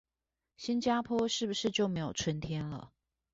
新加坡是不是就沒有春天了